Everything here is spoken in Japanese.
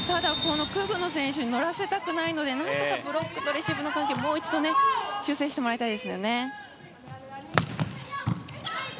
クグノ選手にのらせたくないので何とかブロックとレシーブの関係修正してもらいたいです。